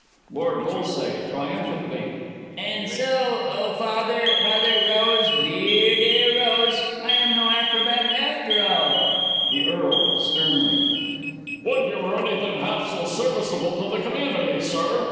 Lord B. (triumphantly). And so oh, Father, Mother, Rose dear, dear Rose I am no acrobat, after all! The E. (sternly). Would you were anything half so serviceable to the community, Sir!